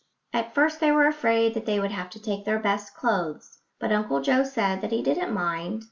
At first they were afraid that they would have to take their best clothes, but Uncle Joe said that he didn't mind.